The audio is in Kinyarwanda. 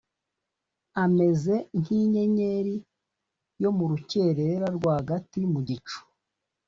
ameze nk’inyenyeri yo mu rukerera rwagati mu gicu,